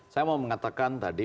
saya mau mengatakan tadi